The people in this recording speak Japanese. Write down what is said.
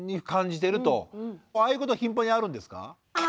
ああいうことは頻繁にあるんですか？